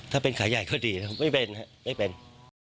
ถ้าเป็นขาใหญ่ก็ดีไม่เป็นไม่เป็น